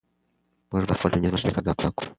موږ باید خپل ټولنیز مسؤلیت ادا کړو.